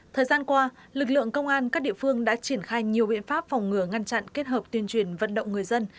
thời gian qua lực lượng công an các địa phương đã triển khai nhiều biện pháp phòng ngừa ngăn chặn kết hợp tuyên truyền vận động người dân